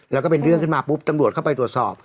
แล้วก็เป็นเรื่องขึ้นมาปุ๊บตำรวจเข้าไปตรวจสอบ